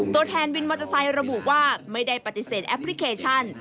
ตัวแทนวินมอเตอร์ไซค์ระบุว่าไม่ได้ปฏิเสธแอปพลิเคชัน